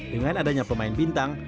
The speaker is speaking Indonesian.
dengan adanya pemain bintang